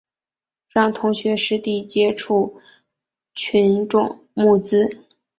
让同学实地接触群众募资